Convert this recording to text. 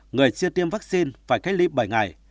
người chia tiêm vaccine phải cách ly bảy ngày